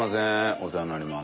お世話になります。